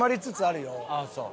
ああそう？